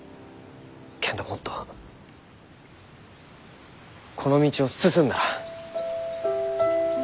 けんどもっとこの道を進んだら。